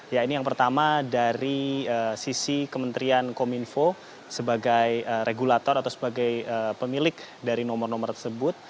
ya ini yang pertama dari sisi kementerian kominfo sebagai regulator atau sebagai pemilik dari nomor nomor tersebut